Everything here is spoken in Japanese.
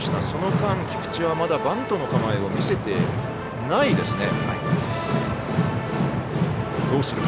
その間、菊地はまだバントの構えを見せてないですね。